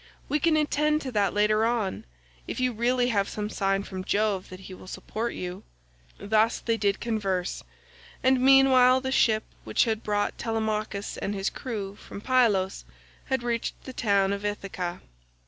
We can attend to that later on, if you really have some sign from Jove that he will support you." Thus did they converse, and meanwhile the ship which had brought Telemachus and his crew from Pylos had reached the town of Ithaca.